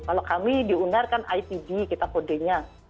kalau kami di unar kan ipd kita kodenya